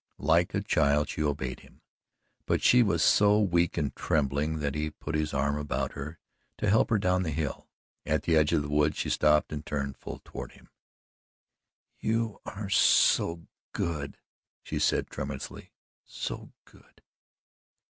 Like a child she obeyed him, but she was so weak and trembling that he put his arm about her to help her down the hill. At the edge of the woods she stopped and turned full toward him. "You are so good," she said tremulously, "so GOOD.